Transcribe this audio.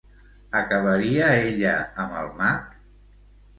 Acabaria ella amb el mag?